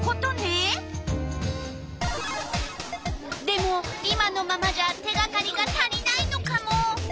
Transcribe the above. でも今のままじゃ手がかりが足りないのカモ。